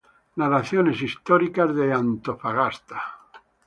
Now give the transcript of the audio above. Narraciones históricas de Antofagasta.